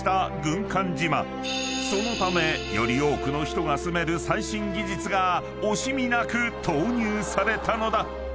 ［そのためより多くの人が住める最新技術が惜しみなく投入されたのだ］